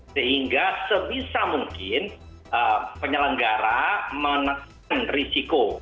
sehingga sebisa mungkin penyelenggara menekan risiko